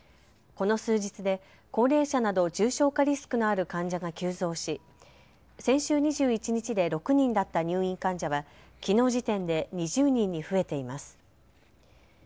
この数日で高齢者など重症化リスクのある患者が急増し先週２１日で６人だった入院患者はきのう時点で２０人に増えています。